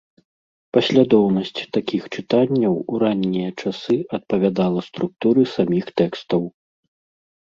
Паслядоўнасць такіх чытанняў у раннія часы адпавядала структуры саміх тэкстаў.